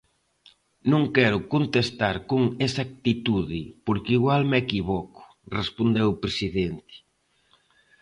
"Non quero contestar con exactitude, porque igual me equivoco", respondeu o presidente.